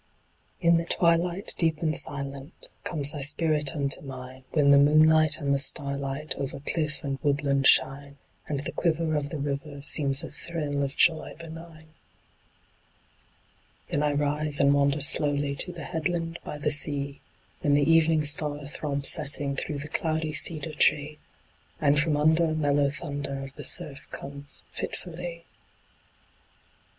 In the twilight deep and silent Comes thy spirit unto mine, When the moonlight and the starlight Over cliff and woodland shine, And the quiver of the river Seems a thrill of joy benign. Then I rise and wander slowly To the headland by the sea, When the evening star throbs setting Through the cloudy cedar tree, And from under, mellow thunder Of the surf comes fitfully.